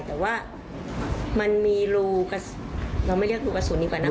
แต่ว่ามันมีรูเราไม่เรียกรูกระสุนอีกประมาณนั้น